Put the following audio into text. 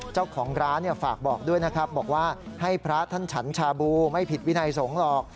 เจ้าของร้านฝากบอกด้วยนะครับบอกว่าให้พระท่านฉันชาบูไม่ผิดวินัยสงฆ์หรอก